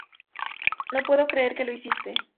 No puedo creer lo que hiciste!